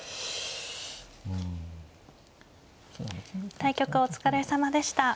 対局お疲れさまでした。